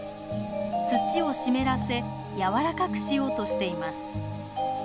土を湿らせやわらかくしようとしています。